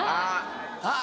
あっ。